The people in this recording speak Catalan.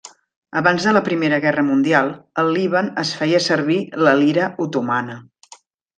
Abans de la Primera Guerra Mundial, al Líban es feia servir la lira otomana.